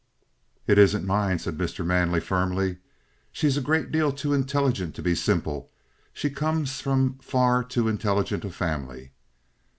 "It isn't mine," said Mr. Manley firmly. "She's a great deal too intelligent to be simple, and she comes of far too intelligent a family."